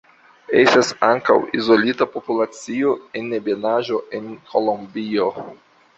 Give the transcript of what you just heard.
Estas ankaŭ izolita populacio en ebenaĵo en Kolombio.